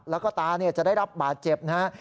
แล้วก็ตาจะได้รับบาดเจ็บนะฮะ